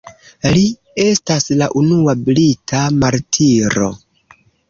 Li estas la unua brita martiro.